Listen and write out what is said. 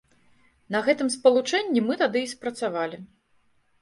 На гэтым спалучэнні мы тады і спрацавалі.